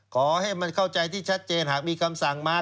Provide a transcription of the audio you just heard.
ขอให้มันเข้าใจที่ชัดเจนหากมีคำสั่งมา